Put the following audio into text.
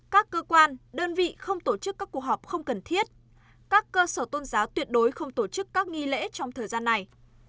các cơ quan đơn vị không tổ chức các cuộc họp không cần thiết các cơ sở tôn giáo tuyệt đối không tổ chức các nghi lễ trong thời gian này